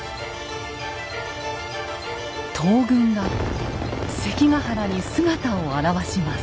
東軍が関ヶ原に姿を現します。